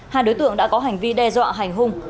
hai đối tượng đã có hành vi đe dọa hành hung